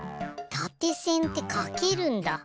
たてせんってかけるんだ。